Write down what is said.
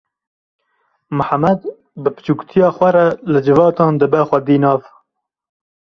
Mihemed bi biçûkatiya xwe re li civatan dibe xwedî nav.